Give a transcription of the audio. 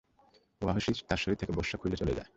ওয়াহশী তাঁর শরীর থেকে বর্শা খুলে চলে যায়।